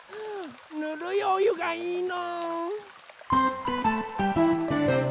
ぬるいおゆがいいの。